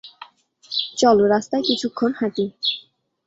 চল, রাস্তায় কিছুক্ষণ হাঁটি।